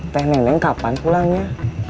teh neneng kapan pulangnya